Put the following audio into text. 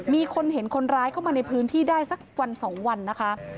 มีคนเห็นคนร้ายเข้ามาในพื้นที่ได้สักวันสองวันนะคะ